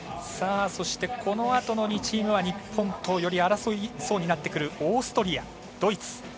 そして、このあとの２チームは日本とより争いそうになってくるオーストリア、ドイツ。